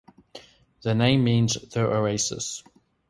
The name means "the oases".